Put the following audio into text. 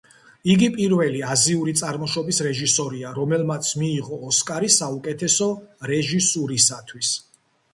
იგი პირველი აზიური წარმოშობის რეჟისორია, რომელმაც მიიღო ოსკარი საუკეთესო რეჟისურისათვის.